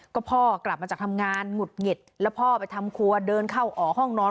ก็พ่อกลับมาจากทำงานหงุดหงิดแล้วพ่อไปทำครัวเดินเข้าออกห้องนอน